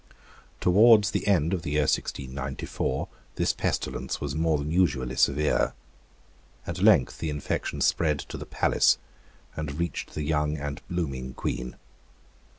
Towards the end of the year 1694, this pestilence was more than usually severe. At length the infection spread to the palace, and reached the young and blooming Queen.